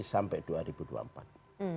kebijakan pak jokowi sampai dua ribu dua puluh empat